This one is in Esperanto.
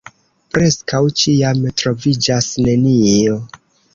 Preskaŭ ĉiam troviĝas nenio.